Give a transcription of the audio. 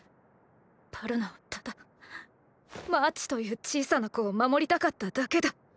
パロナはただマーチという小さな子を守りたかっただけだ。